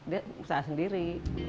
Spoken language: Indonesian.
dia usaha sendiri